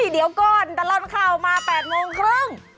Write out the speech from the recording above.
เดี๋ยวก่อนตลอดข่าวมา๘โมงครึ่ง